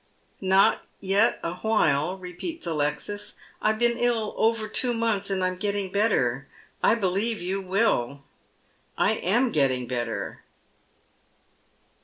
" Not yet awhile," repeats Alexis. " I've been ill over two months, and I'm getting better — I believe you wiU. I am getting better."